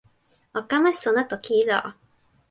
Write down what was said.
o kama sona toki ilo